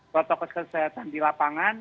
foto kesehatan di lapangan